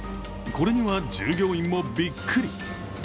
これには従業員もびっくり。